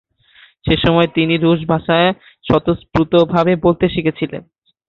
সেসময় তিনি রুশ ভাষা স্বতঃস্ফূর্তভাবে বলতে শিখেছিলেন।